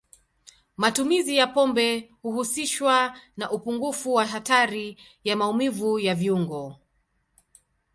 Matumizi ya pombe huhusishwa na upungufu wa hatari ya maumivu ya viungo.